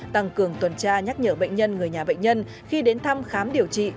tăng cường tuần tra nhắc nhở bệnh nhân người nhà bệnh nhân khi đến thăm khám điều trị